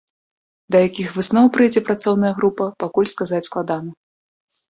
Да якіх высноў прыйдзе працоўная група, пакуль сказаць складана.